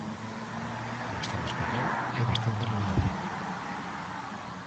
No Estado español é bastante novidade.